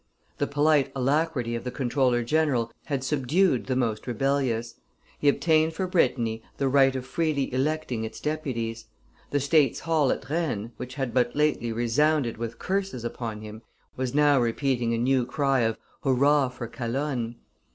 The polite alacrity of the comptroller general had subdued the most rebellious; he obtained for Brittany the right of freely electing its deputies; the states hall at Rennes, which had but lately resounded with curses upon him, was now repeating a new cry of "Hurrah for Calonne!"